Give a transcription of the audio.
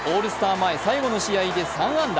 前最後の試合で３安打。